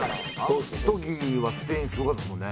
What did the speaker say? その時はスペインすごかったですもんね。